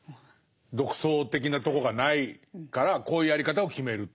独創的なとこがないからこういうやり方を決めるという。